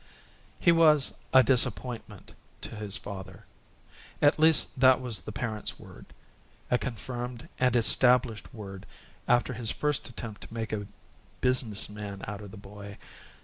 He was a "disappointment" to his father. At least that was the parent's word a confirmed and established word after his first attempt to make a "business man" of the boy.